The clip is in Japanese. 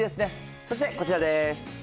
そしてこちらです。